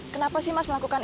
kenapa sih mas melakukan